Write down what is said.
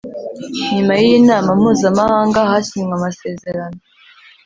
Nyuma y iyi nama mpuzamahanga hasinywe amasezerano